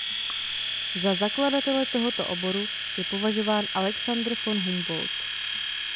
Za zakladatele tohoto oboru je považován Alexander von Humboldt.